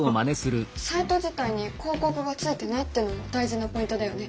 サイト自体に広告がついていないっていうのも大事なポイントだよね。